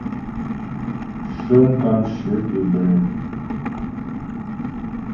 Shə́ mkàmshyə tě bə́lɛ.